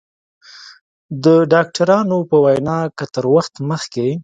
د ډاکترانو په وینا که تر وخته مخکې